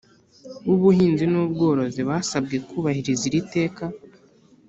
W ubuhinzi n ubworozi basabwe kubahiriza iri teka